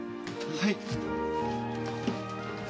はい。